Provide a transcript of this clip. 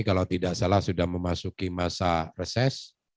kalau tidak salah sudah memasuki masa reses